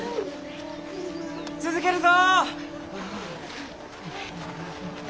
続けるぞ！